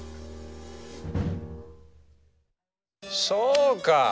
そうか！